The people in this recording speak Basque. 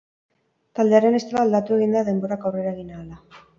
Taldearen estiloa aldatu egin da denborak aurrera egin ahala.